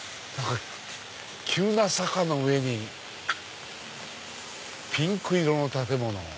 急な坂の上にピンク色の建物。